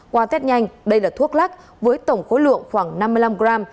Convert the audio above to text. qua tết nhanh đây là thuốc lắc với tổng khối lượng khoảng năm mươi năm g